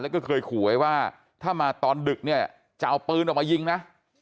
แล้วก็เคยขู่ไว้ว่าถ้ามาตอนดึกเนี่ยจะเอาปืนออกมายิงนะ